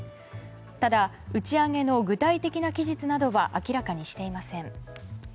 ただ、打ち上げの具体的な期日などは明らかにしていません。